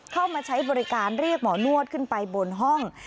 เข้ามาใช้บริการเรียกหมอนวดขึ้นไปบนห้อง